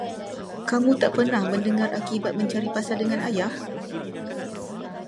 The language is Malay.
Kamu tak pernah mendengar akibat mencari pasal dengan ayah?